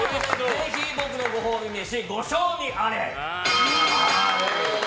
ぜひ僕のご褒美飯ご賞味あれ！